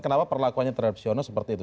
kenapa perlakuannya terhadap siono seperti itu